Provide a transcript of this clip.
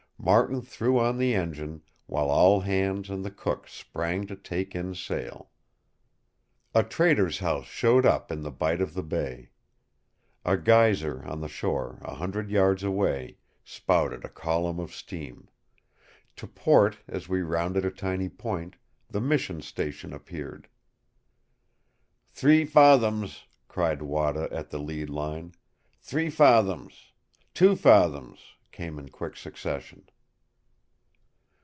Martin threw on the engine, while all hands and the cook sprang to take in sail. A trader's house showed up in the bight of the bay. A geyser, on the shore, a hundred yards away; spouted a column of steam. To port, as we rounded a tiny point, the mission station appeared. "Three fathoms," cried Wada at the lead line. "Three fathoms," "two fathoms," came in quick succession.